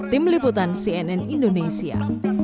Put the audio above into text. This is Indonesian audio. tim liputan cnn indonesia